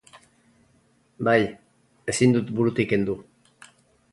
Bai, ezin dut burutik kendu.